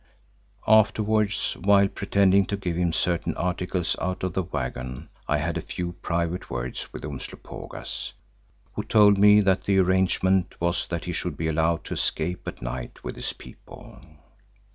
Afterwards, while pretending to give him certain articles out of the waggon, I had a few private words with Umslopogaas, who told me that the arrangement was that he should be allowed to escape at night with his people.